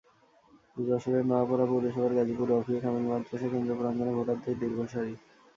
যশোরের নওয়াপাড়া পৌরসভার গাজীপুর রওফিয়া কামিল মাদ্রাসা কেন্দ্র প্রাঙ্গণে ভোটারদের দীর্ঘ সারি।